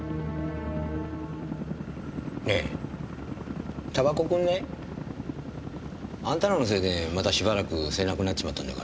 ねぇタバコくんない？あんたらのせいでまたしばらく吸えなくなっちまったんだから。